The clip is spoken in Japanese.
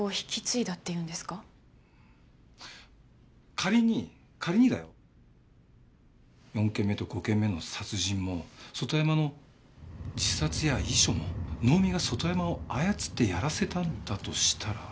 仮に仮にだよ４件目と５件目の殺人も外山の自殺や遺書も能見が外山を操ってやらせたんだとしたら。